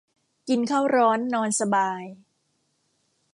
กินข้าวร้อนนอนสบาย